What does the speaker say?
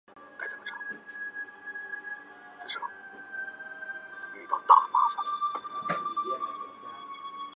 文宗说不妨任李宗闵为州刺史。